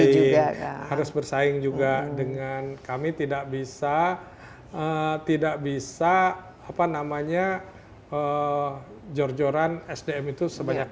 harus bersaing juga dengan kami tidak bisa tidak bisa apa namanya jor joran sdm itu sebanyak